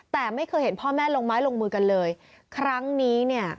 แต่ไม่เคยเห็นพ่อแม่ลงไม้ลงมือกันเลยครั้งนี้เนี่ย